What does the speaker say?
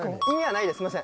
意味はないです